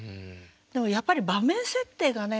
でもやっぱり場面設定がね